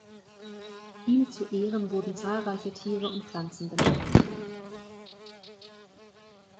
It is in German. Ihm zu Ehren wurden zahlreiche Tiere und Pflanzen benannt.